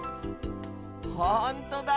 ほんとだ。